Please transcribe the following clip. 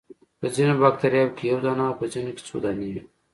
په ځینو باکتریاوو کې یو دانه او په ځینو کې څو دانې وي.